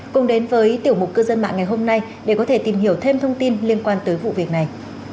cùng đến với tiểu mục cư dân mạng ngày hôm nay để có thể tìm hiểu thêm thông tin liên quan tới vụ việc này